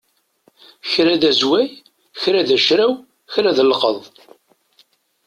Kra d azway, kra d acraw, kra d alqaḍ.